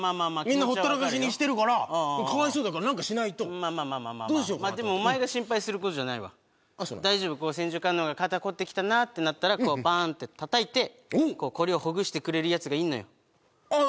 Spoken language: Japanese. みんなほったらかしにしてるからかわいそうだから何かしないとまあまあでもお前が心配することじゃないわ大丈夫千手観音が肩凝ってきたなってなったらバーンってたたいて凝りをほぐしてくれるやつがいんのよああ